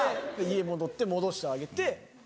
家戻って戻してあげてみたいな。